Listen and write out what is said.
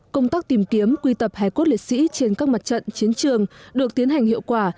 công tác tìm kiếm quy tập hải quốc liệt sĩ trên các mặt trận chiến trường được tiến hành hiệu quả